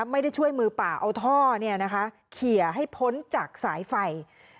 ไม่ได้ช่วยมือป่าเอาท่อเขียให้พ้นจากสายไฟ